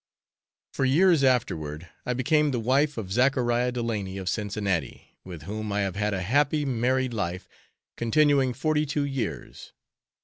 Four years afterward, I became the wife of Zachariah Delaney, of Cincinnati, with whom I have had a happy married life, continuing forty two years.